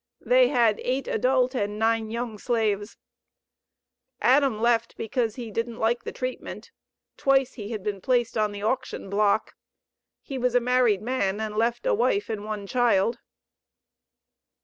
They had eight adult and nine young slaves." Adam left because he "didn't like the treatment." Twice he had been placed on the auction block. He was a married man and left a wife and one child.